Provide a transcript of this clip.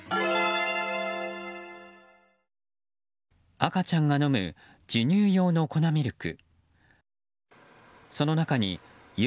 赤ちゃんが飲む授乳用の粉ミルク。